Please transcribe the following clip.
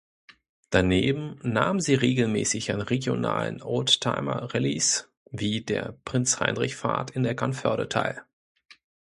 Daneben nahm sie regelmäßig an regionalen Oldtimer-Rallyes wie der Prinz-Heinrich-Fahrt in Eckernförde teil.